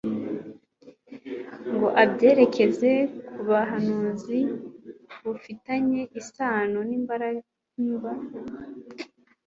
ngo abyerekeze ku buhanuzi bufitanye isano n'imibabaro y'Umukiza.